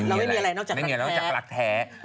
เราไม่มีอะไรนอกจากรักแท้